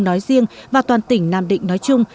nói riêng và toàn tỉnh nam định nói chung